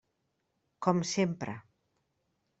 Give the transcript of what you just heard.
Com sempre.